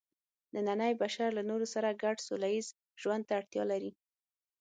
نننی بشر له نورو سره ګډ سوله ییز ژوند ته اړتیا لري.